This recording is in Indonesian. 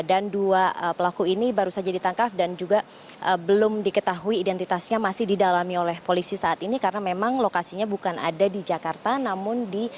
dan dua pelaku ini baru saja ditangkap dan juga belum diketahui identitasnya masih didalami oleh polisi saat ini karena memang lokasinya bukan ada di jakarta namun di daerah lain